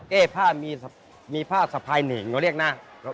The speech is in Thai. เก้ภามีภาพสะพายเหน่งเราเรียกนะ